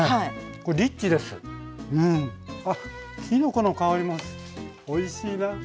きのこの香りもおいしいな。